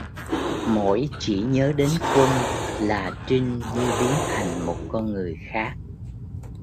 Mỗi chỉ nhớ đến quân là trinh như biến thành một con người khác